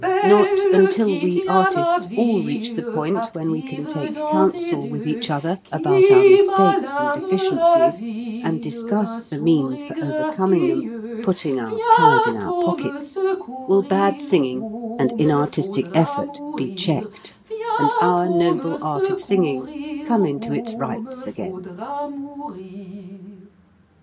Not until we artists all reach the point when we can take counsel with fcach other about our mistakes and defi ciencies, and discuss the means for overcoming them, putting our pride in our pockets, will bad singing and inartistic effort be checked, and our noble art of singing come into its rights again.